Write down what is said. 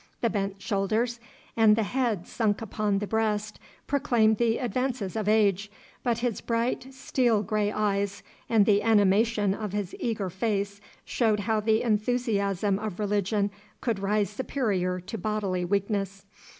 The bent shoulders and the head sunk upon the breast proclaimed the advances of age, but his bright steel grey eyes and the animation of his eager face showed how the enthusiasm of religion could rise superior to bodily weakness.